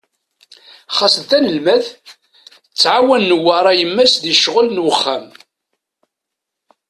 Ɣas d tanelmadt, tettɛawan Newwara yemma-s di ccɣel n wexxam.